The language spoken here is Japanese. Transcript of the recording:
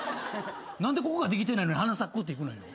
何でここができてないのに「はなさく」っていくのよ。